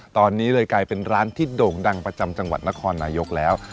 ตอนนี้เลยกลายเป็นร้านที่โด่งดังประจำจังหวัดนครนายกแล้ว